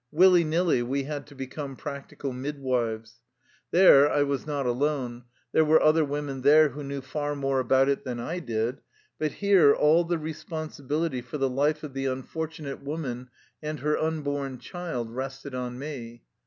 Willy nilly, we had to become practical midwives. There I was not alone; there were other women there who knew far more about it than I did, but here all the re sponsibility for the life of the unfortunate woman and her unborn child rested on me.